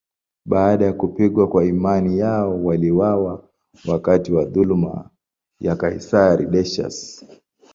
Baada ya kupigwa kwa imani yao, waliuawa wakati wa dhuluma ya kaisari Decius.